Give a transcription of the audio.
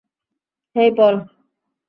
হেই, পল।